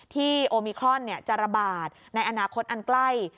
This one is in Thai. โอมิครอนจะระบาดในอนาคตอันใกล้